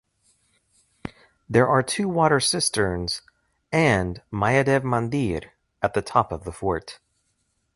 There are two water cisterns and Mahadev mandir at the top of the fort.